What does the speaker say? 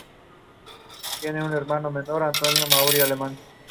El gusto varía de delicado aromático a ligeramente más picante.